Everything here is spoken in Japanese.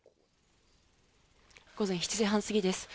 午前７時半過ぎです。